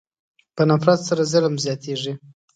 په نفرت سره ظلم زیاتېږي.